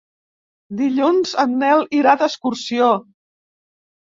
Dilluns en Nel irà d'excursió.